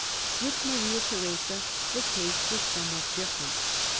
With Maria Theresa the case was somewhat different.